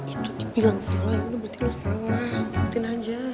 itu dibilang salah berarti lo salah ikutin aja